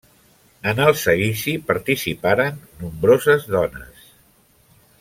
En el seguici participaren nombroses dones.